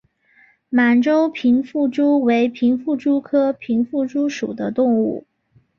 满洲平腹蛛为平腹蛛科平腹蛛属的动物。